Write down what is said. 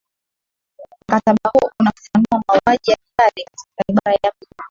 mkataba huo unafafanua mauaji ya kimbari katika ibara ya pili